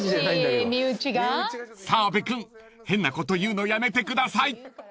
［澤部君変なこと言うのやめてください！］